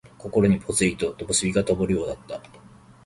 心にぽつりと灯がともるようだった。